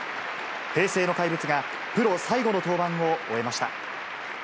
平成の怪物が、プロ最後の登板を終えました。